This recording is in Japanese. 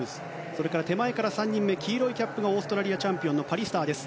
それから黄色いキャップがオーストラリアチャンピオンのパリスターです。